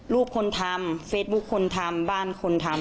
ลูกคนทำเฟซบุ๊คคนทำบ้านคนทำ